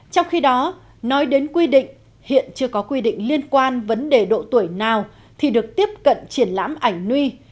trong khi đó nói đến quy định hiện chưa có quy định liên quan vấn đề độ tuổi nào thì được tiếp cận triển lãm ảnh nuôi